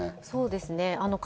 そうですね。